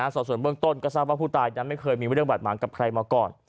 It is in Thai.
ส่วนเบื้องต้นก็ทราบว่าผู้ตายนั้นไม่เคยมีเรื่องบาดหมางกับใครมาก่อน